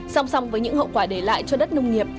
song song với những hậu quả để lại cho đất nông nghiệp